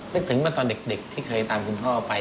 นึกถึงมาตอนเด็กที่เคยตามคุณพ่อไป